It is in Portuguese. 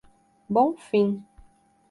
Bonfim